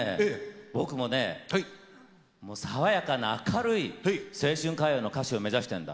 僕もね爽やかな明るい青春歌謡の歌手を目指してんだ。